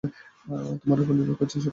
তোমার ওপরই নির্ভর করছে সবকিছু।